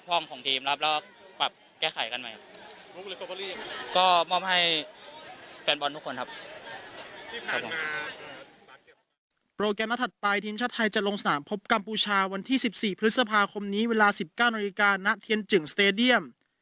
โปรแกรมหน้าถัดไปทีมชาติไทยจะลงสนามพบกัมพูชาวันที่สิบสี่พฤษภาคมนี้เวลาสิบเก้านาฬิกาน่ะเทียนจึงสเตรเดียม